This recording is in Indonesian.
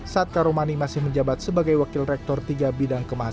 saat karomani masih menjabat sebagai wakil rektor tiga bidang kemasan